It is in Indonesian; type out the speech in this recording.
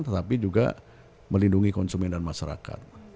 tetapi juga melindungi konsumen dan masyarakat